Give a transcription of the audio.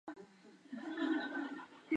El riego es moderado en verano, seco en invierno.